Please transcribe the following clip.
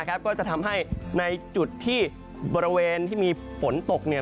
ก็จะทำให้ในจุดที่บริเวณที่มีฝนตก